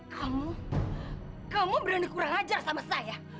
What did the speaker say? kamu kamu berani kurang ajar sama saya